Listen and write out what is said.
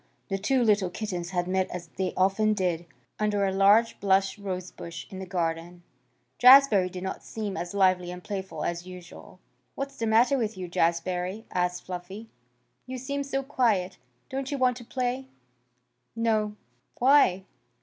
The two little kittens had met as they often did, under a large blush rosebush in the garden. Jazbury did not seem as lively and playful as usual. "What's the matter with you, Jazbury?" asked Fluffy. "You seem so quiet. Don't you want to play?" "No." "Why?"